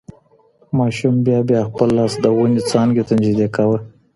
ماشوم بیا بیا خپل لاس د ونې څانګې ته نږدې کاوه.